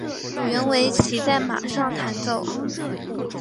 原为骑在马上弹奏。